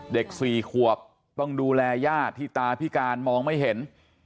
เด็ก๔ขวบต้องดูแลญาติที่ตาพิการมองไม่เห็น